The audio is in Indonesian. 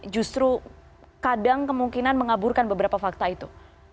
justru kadang kemungkinan mengaburkan beberapa fakta itu